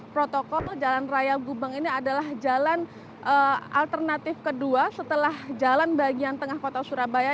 protokol jalan raya gubeng ini adalah jalan alternatif kedua setelah jalan bagian tengah kota surabaya